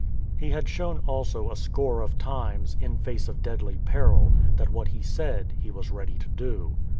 He had shown also a score of times, in face of deadly peril, that what he said he was ready to do.